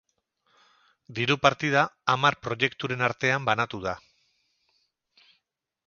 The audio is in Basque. Diru partida hamar proiekturen artean banatu da.